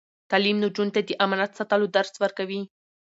تعلیم نجونو ته د امانت ساتلو درس ورکوي.